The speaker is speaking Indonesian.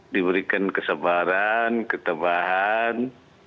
diberikan kesabaran ketebahan